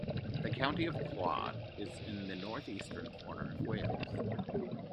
The county of Clwyd is in the northeastern corner of Wales.